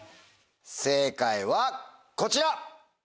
正解はこちら！